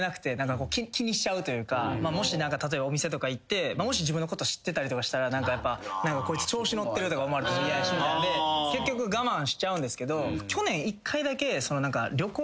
もし例えばお店とか行ってもし自分のこと知ってたりとかしたらこいつ調子乗ってるとか思われるのも嫌やし結局我慢しちゃうんですけど去年１回だけ。